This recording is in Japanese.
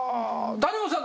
谷本さん